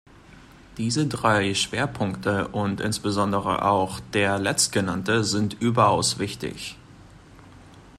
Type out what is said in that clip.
Diese drei Schwerpunkte und insbesondere auch der Letztgenannte sind überaus wichtig.